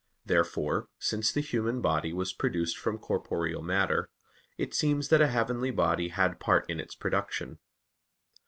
Therefore, since the human body was produced from corporeal matter, it seems that a heavenly body had part in its production.